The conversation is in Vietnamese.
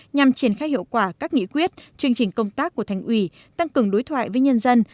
nhằm triển khai hiệu quả các nghị quyết chương trình công tác của thành ủy tăng cường đối thoại với nhân dân